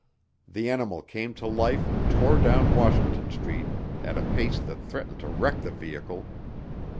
The animal came to life and tore down Washington Street at a pace that threatened to wreck the vehicle.